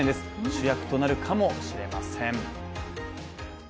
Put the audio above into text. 主役となるかもしれません。